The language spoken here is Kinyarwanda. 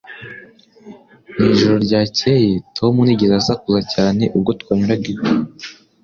Mu ijoro ryakeye, Tom ntiyigeze asakuza cyane ubwo twanyuraga iwe.